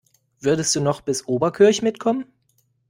Würdest du noch bis Oberkirch mitkommen?